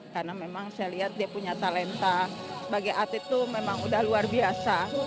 karena memang saya lihat dia punya talenta sebagai atlet itu memang udah luar biasa